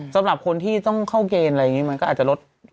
สำหรับคนที่ต้องเข้าเกณฑ์อะไรอย่างนี้มันก็อาจจะลด